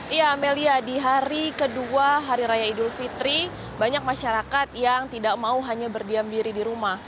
iya amelia di hari kedua hari raya idul fitri banyak masyarakat yang tidak mau hanya berdiam diri di rumah